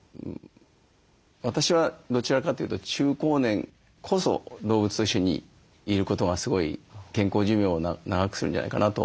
私はどちらかというと中高年こそ動物と一緒にいることがすごい健康寿命を長くするんじゃないかなと思ってはいるんですね。